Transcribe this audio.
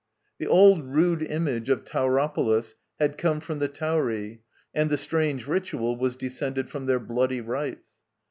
The old rude image of Tauropolis had come from the Tauri, and the strange ritual was descended from their bloody rites.